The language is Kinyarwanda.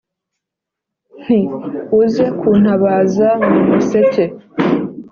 nti "uze kuntabaza mu museke